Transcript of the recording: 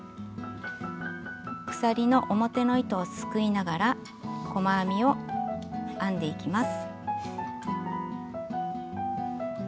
鎖の表の糸をすくいながら細編みを編んでいきます。